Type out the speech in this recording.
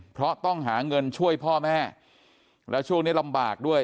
เพราะต้องหาเงินช่วยพ่อแม่แล้วช่วงนี้ลำบากด้วย